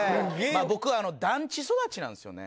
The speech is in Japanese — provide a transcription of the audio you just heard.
僕団地育ちなんですよね。